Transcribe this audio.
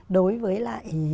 đối với lại